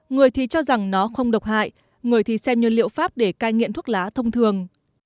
người thì cho rằng nó không độc hại người thì xem nhân liệu pháp để cai nghiện thuốc lá thông thường